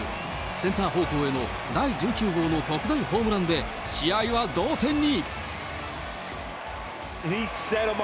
センター方向への第１９号の特大ホームランで試合は同点に。